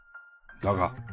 だが。